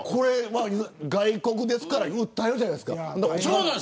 外国ですから訴えるじゃないですか。